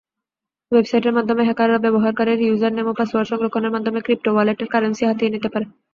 ওয়েবসাইটের মাধ্যমে হ্যাকাররা ব্যবহারকারীর ইউজারনেম ও পাসওয়ার্ড সংরক্ষণের মাধ্যমে ক্রিপ্টোওয়ালেটের কারেন্সি হাতিয়ে নিতে পারে।